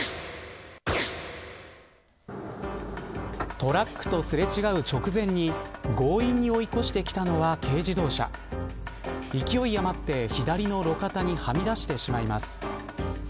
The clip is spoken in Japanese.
トラックとすれ違う直前に強引に追い越してきたのは軽自動車勢い余って左の路肩にはみ出してしまいます。